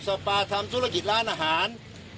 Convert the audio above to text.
สปาทำธุรกิจร้านอาหาร